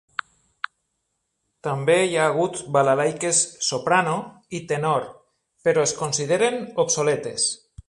També hi ha hagut balalaiques "soprano" i "tenor", però es consideren obsoletes.